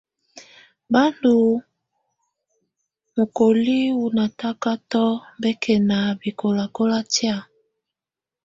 Ba ndù mokoli wù natakatɔ bɛkɛna bɛkɔlakɔla tɛ̀á.